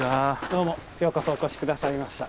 どうもようこそお越し下さいました。